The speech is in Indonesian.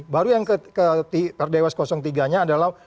baru yang ke per dewas tiga nya adalah